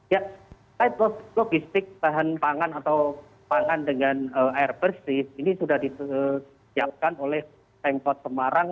ya logistik bahan pangan atau pangan dengan air bersih ini sudah disiapkan oleh pengkot semarang